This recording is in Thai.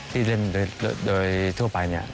ที่เล่นโดยทั่วไปเนี่ย